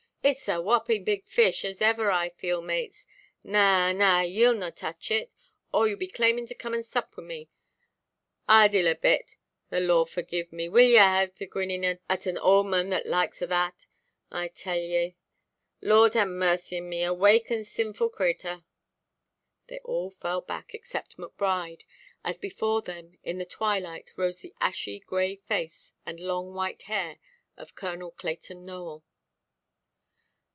"Itʼs a wapping big fish, as ever I feel, mates; na, na, yeʼll no touch it, or yeʼll be claiming to come and sup wi' me. And deil a bit—the Lord forgive me—will ye haʼ, for grinning at an auld mon the likes of that, I tell ye. Lord ha' mercy on me, a wake and sinful crater!" They all fell back, except Macbride, as before them in the twilight rose the ashy grey face and the long white hair of Colonel Clayton Nowell.